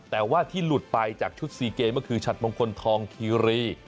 แต่ว่าที่หลุดไปจากชุด๔เกมก็คือฉัดมงคลทองคีรี